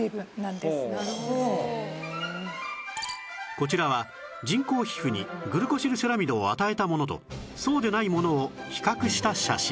こちらは人工皮膚にグルコシルセラミドを与えたものとそうでないものを比較した写真